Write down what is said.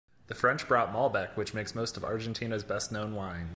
The French brought Malbec, which makes most of Argentina's best known wines.